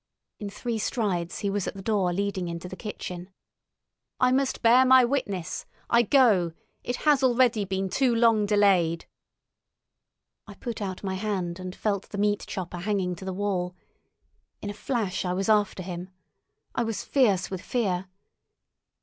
In three strides he was at the door leading into the kitchen. "I must bear my witness! I go! It has already been too long delayed." I put out my hand and felt the meat chopper hanging to the wall. In a flash I was after him. I was fierce with fear.